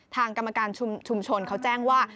ทางกรรมการชุมชนเขาแจ้งว่า